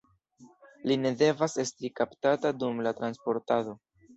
Li ne devas esti kaptata dum la transportado.